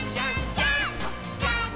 ジャンプ！！」